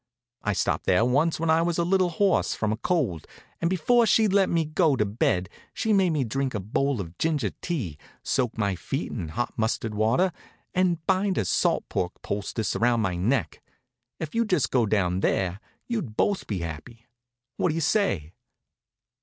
I stopped there once when I was a little hoarse from a cold, and before she'd let me go to bed she made me drink a bowl of ginger tea, soak my feet in hot mustard water, and bind a salt pork poultice around my neck. If you'd just go down there you'd both be happy. What do you say?"